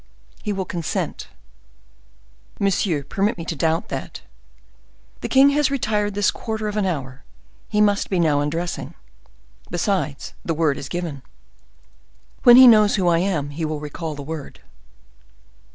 "He will consent." "Monsieur, permit me to doubt that. The king has retired this quarter of an hour; he must be now undressing. Besides, the word is given." "When he knows who I am, he will recall the word."